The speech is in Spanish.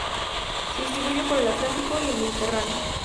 Se distribuye por el Atlántico y el Mediterráneo.